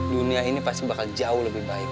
dunia ini pasti bakal jauh lebih baik